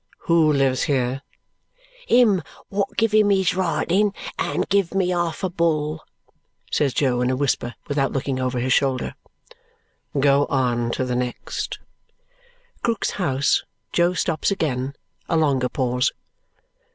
"Who lives here?" "Him wot give him his writing and give me half a bull," says Jo in a whisper without looking over his shoulder. "Go on to the next." Krook's house. Jo stops again. A longer pause.